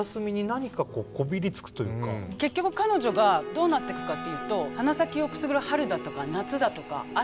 何か結局彼女がどうなっていくかっていうと鼻先をくすぐる春だとか夏だとか秋冬。